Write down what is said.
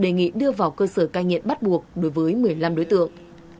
công an huyện vân hồ đưa vào cơ sở cai nghiện bắt buộc đối với một mươi năm đối tượng